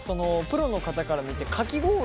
プロの方から見てかき氷